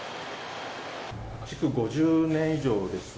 築５０年以上です。